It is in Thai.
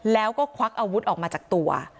แล้วก็ควักอาวุธออกมาจากตัว